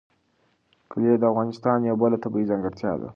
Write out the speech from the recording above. کلي د افغانستان یوه بله طبیعي ځانګړتیا ده.